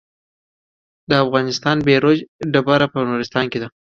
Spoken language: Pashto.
د افغانستان بیروج ډبره په نورستان کې ده